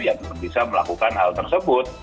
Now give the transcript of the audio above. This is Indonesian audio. yang bisa melakukan hal tersebut